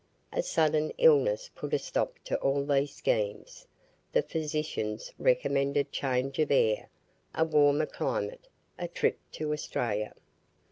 A sudden illness put a stop to all these schemes. The physicians recommended change of air, a warmer climate, a trip to Australia.